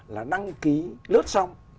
là đăng ký lướt xong